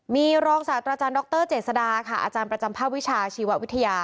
มีรองศาสตราจารย์ดรเจษดาค่ะอาจารย์ประจำภาควิชาชีววิทยา